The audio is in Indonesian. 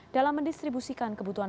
dalam mendistribusikan kebutuhan